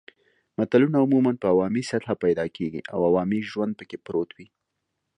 متلونه عموماً په عوامي سطحه پیدا کېږي او عوامي ژوند پکې پروت وي